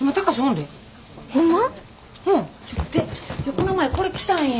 この前これ来たんや。